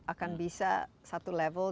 akan bisa satu level